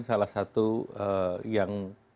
salah satu yang